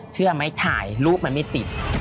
เชื่อไหมถ่ายรูปมันไม่ติด